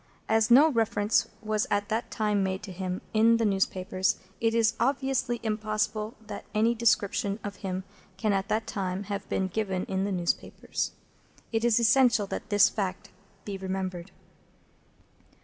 As no reference was at that time made to him in the newspapers, it is obviously impossible that any description of him can at that time have been given in the newspapers. It is essential that this fact be remembered.